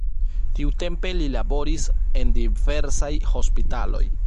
Tiutempe li laboris en diversaj hospitaloj.